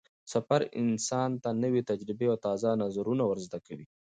سفر انسان ته نوې تجربې او تازه نظرونه ور زده کوي